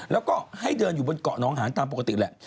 แล้วก็ให้เดินอยู่บนเกาะน้องหางตามปกติแหละ